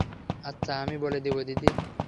আচ্ছা আমি বলে দিবো, দিদি।